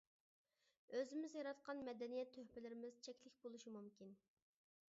ئۆزىمىز ياراتقان مەدەنىيەت تۆھپىلىرىمىز چەكلىك بولۇشى مۇمكىن.